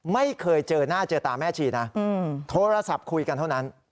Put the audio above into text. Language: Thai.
ไม่เคยเจอหน้าเจอตาแม่ชีนะโทรศัพท์คุยกันเท่านั้น